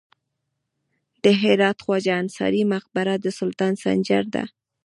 د هرات خواجه انصاري مقبره د سلطان سنجر ده